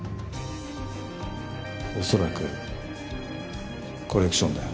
恐らくコレクションだよ。